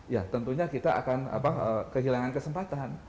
ya tentunya kita akan kehilangan kesempatan